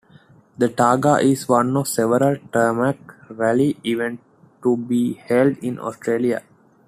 The Targa is one of several Tarmac Rally events to be held in Australia.